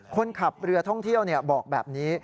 คนขับเรือท่องเที่ยวบอกแบบนี้